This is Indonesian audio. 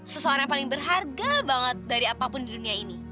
seseorang yang paling berharga banget dari apapun di dunia ini